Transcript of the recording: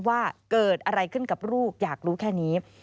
ว่าเกิดอะไรขึ้นกับลูกอยากรู้แค่นี้